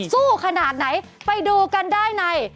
ขนาดไหนไปดูกันได้ใน